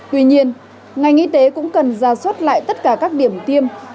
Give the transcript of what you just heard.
tuy nhiên ngành y tế cũng cần ra soát lại tất cả các điểm tiêm